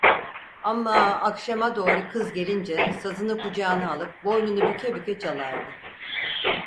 Amma akşama doğru kız gelince sazını kucağına alıp boynunu büke büke çalardı.